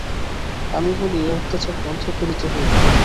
আমি বলি, এ অত্যাচার বন্ধ করিতে হইবে।